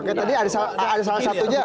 kayak tadi ada salah satunya